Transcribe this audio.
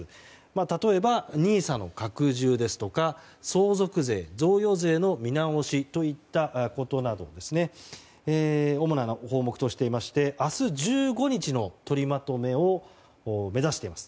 例えば、ＮＩＳＡの拡充ですとか相続税・贈与税の見直しといったことなど主な項目としまして明日１５日の取りまとめを目指しています。